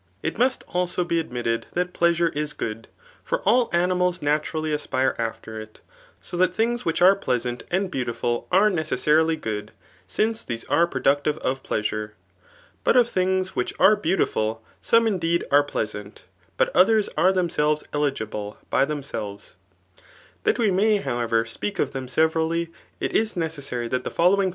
It must alN^ be admitted that plesisure is good ; for all animals naturally aspire after it ; so that things which are plea sant and beautiful are necessarily good ; since these are productive of pleasure. But of things which are beau rifiii, some indeed are pleasant; but others are them sdves eligible by themselves. That we may, however,, spesk of them severally, it is necessary that the following Arist. voh. I.